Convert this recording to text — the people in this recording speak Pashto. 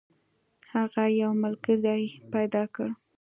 هغه یو ملګری پیدا کړ.